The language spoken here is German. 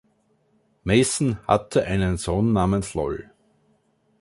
Mason hatte einen Sohn namens Lol.